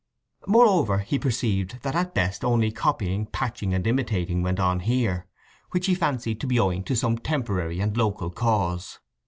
Moreover he perceived that at best only copying, patching and imitating went on here; which he fancied to be owing to some temporary and local cause.